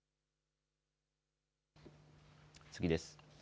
次です。